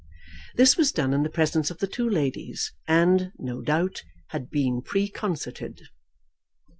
This was done in the presence of the two ladies, and, no doubt, had been preconcerted.